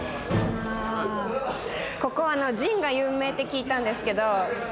ここはジンが有名って聞いたんですけど。